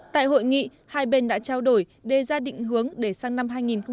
tại hội nghị hai bên đã trao đổi đề ra định hướng để sang năm hai nghìn hai mươi